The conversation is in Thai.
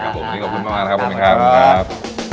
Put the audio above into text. อันนี้ขอบคุณมากครับบะหมี่ครับ